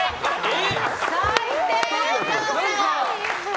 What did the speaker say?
最低！